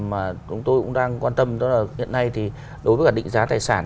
mà chúng tôi cũng đang quan tâm đó là hiện nay thì đối với cả định giá tài sản